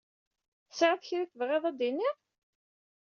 Tesɛiḍ kra i tebɣiḍ ad d-tiniḍ?